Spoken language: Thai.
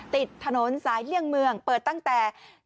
ติดถนนสายเลี่ยงเมืองเปิดตั้งแต่